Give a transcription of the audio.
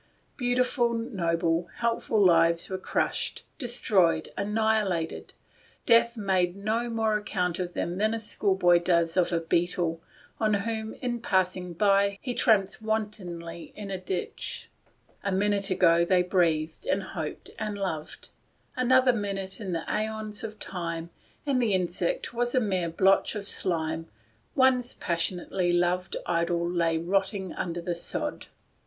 Beautiful noble, helpful lives were crushed, destroyed, annihilated. Death made no more account of them than a school boy does of a beetle, on whom, in passing by, he tramples wantonly in a ditch. A min ute ago they breathed, and loved, and suf fered ; another minute in the aeons of time, and the insect was a mere blotch of slime, one's passionately beloved idol was rotting under the sod.